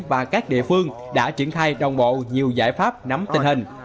và các địa phương đã triển khai đồng bộ nhiều giải pháp nắm tình hình